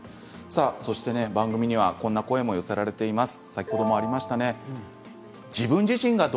番組にはこんな声も寄せられています。